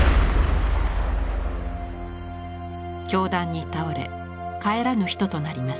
凶弾に倒れ帰らぬ人となります。